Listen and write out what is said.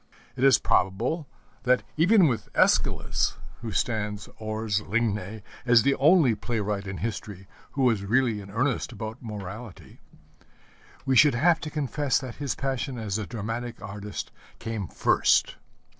It is probable that even with Æschylus, who stands hors ligne as the only playwright in history who was really in earnest about morality, we should have to confess that his passion as a dramatic artist came first.